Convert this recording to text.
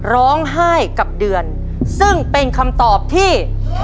ร้องไห้กับเดือนซึ่งเป็นคำตอบที่